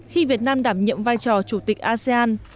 khi việt nam đảm nhiệm vai trò chủ tịch asean